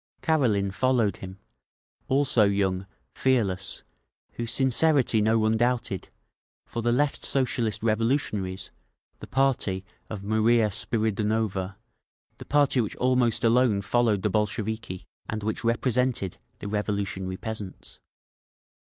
Karelin followed him—also young, fearless, whose sincerity no one doubted—for the Left Socialist Revolutionaries, the party of Maria Spiridonova, the party which almost alone followed the Bolsheviki, and which represented the revolutionary peasants.